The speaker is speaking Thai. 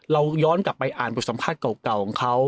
ย้อนกลับไปอ่านบทสัมภาษณ์เก่าของเขา